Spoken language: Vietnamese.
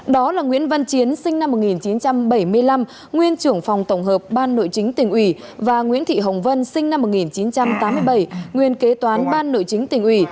đó là nguyễn văn chiến sinh năm một nghìn chín trăm bảy mươi năm nguyên trưởng phòng tổng hợp ban nội chính tỉnh ủy và nguyễn thị hồng vân sinh năm một nghìn chín trăm tám mươi bảy nguyên kế toán ban nội chính tỉnh ủy